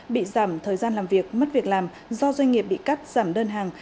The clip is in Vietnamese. bị giảm thời gian làm việc mất việc làm do doanh nghiệp bị cắt giảm đơn hàng